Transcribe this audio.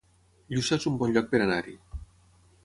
Lluçà es un bon lloc per anar-hi